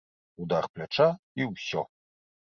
Удар пляча і ўсё.